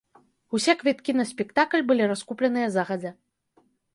Усе квіткі на спектакль былі раскупленыя загадзя.